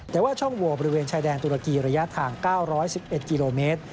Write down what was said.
แต่ว่าช่องโวบริเวณชายแดนตุรกีระยะทาง๙๑๑กิโลเมตร